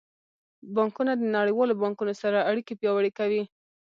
بانکونه د نړیوالو بانکونو سره اړیکې پیاوړې کوي.